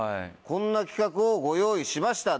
こんな企画をご用意しました